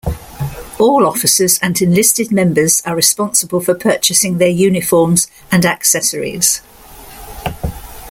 All officers and enlisted members are responsible for purchasing their uniforms and accessories.